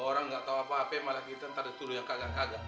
orang nggak tau apa apa malah kirim taruh turun yang kagak kagak